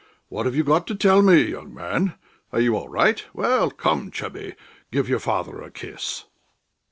"What have you got to tell me, young man? Are you all right? Well, come, chubby; give your father a kiss."